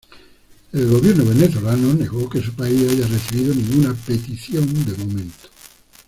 El Gobierno venezolano negó que su país haya recibido ninguna petición de momento.